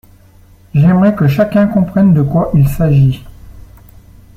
J’aimerais que chacun comprenne de quoi il s’agit.